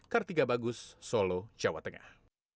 kartiga bagus solo jawa tengah